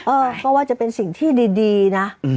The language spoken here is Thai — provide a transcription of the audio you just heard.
เออก็ว่าจะเป็นสิ่งที่ดีนะ